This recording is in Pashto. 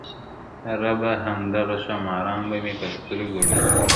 ربه همدغه ښاماران به مي په سترگو ړوند کړي,